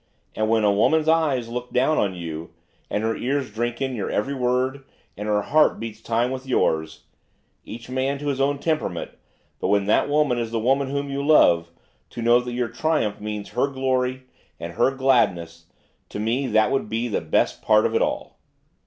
And when a woman's eyes look down on you, and her ears drink in your every word, and her heart beats time with yours, each man to his own temperament, but when that woman is the woman whom you love, to know that your triumph means her glory, and her gladness, to me that would be the best part of it all.